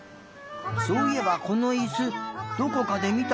そういえばこのいすどこかでみたことあるような。